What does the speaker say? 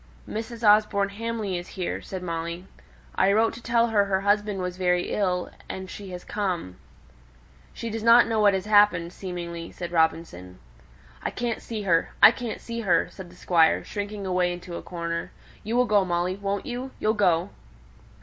"Mrs. Osborne Hamley is here," said Molly. "I wrote to tell her her husband was very ill, and she has come." "She does not know what has happened, seemingly," said Robinson. "I can't see her I can't see her," said the Squire, shrinking away into a corner. "You will go, Molly, won't you? You'll go."